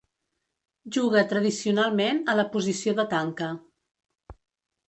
Juga tradicionalment a la posició de tanca.